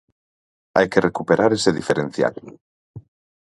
Hai que recuperar ese diferencial.